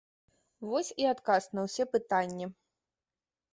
Вось і адказ на ўсе пытанні.